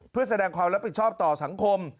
เพื่อแสดงความรับผิดชอบต่อสังคม